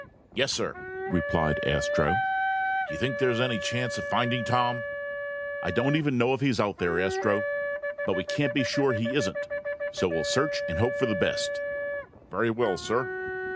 "Yes, sir," replied Astro. "Do you think there's any chance of finding Tom?" "I don't even know if he's out here, Astro. But we can't be sure he isn't. So we'll search and hope for the best." "Very well, sir."